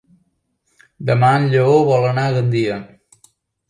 Demà en Lleó vol anar a Gandia.